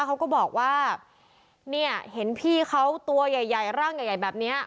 เขาก็บอกว่าเนี่ยเห็นพี่เขาตัวใหญ่ร่างใหญ่แบบเนี้ย